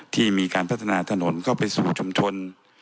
ที่มีการพัฒนาถนนเข้าไปสู่ชุมชน